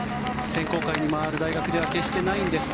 選考会に回る大学では決してないんです。